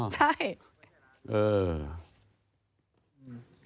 ใช่